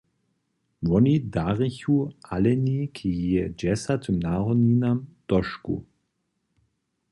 Woni darichu Aleni k jeje dźesatym narodninam tošku.